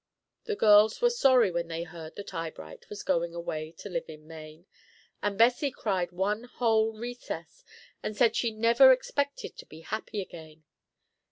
The girls were sorry when they heard that Eyebright was going away to live in Maine, and Bessie cried one whole recess, and said she never expected to be happy again.